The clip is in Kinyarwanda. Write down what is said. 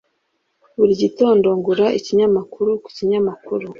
Buri gitondo ngura ikinyamakuru ku kinyamakuru.